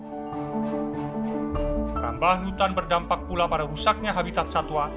perambahan hutan berdampak pula pada rusaknya habitat satwa